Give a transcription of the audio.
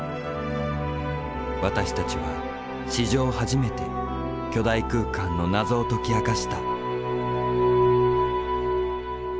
私たちは史上初めて巨大空間の謎を解き明かした。